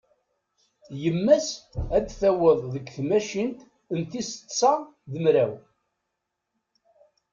Yemma-s ad d-taweḍ deg tmacint n tis tẓa d mraw.